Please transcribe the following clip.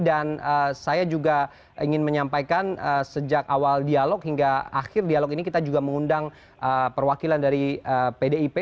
dan saya juga ingin menyampaikan sejak awal dialog hingga akhir dialog ini kita juga mengundang perwakilan dari pdip